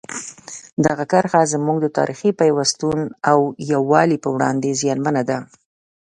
دغه کرښه زموږ د تاریخي پیوستون او یووالي په وړاندې زیانمنه ده.